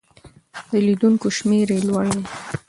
د لیدونکو شمېر یې لوړ دی.